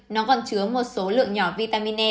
nó còn chứa một số lượng nhỏ vitamin e